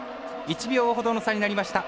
１秒ほどの差になりました。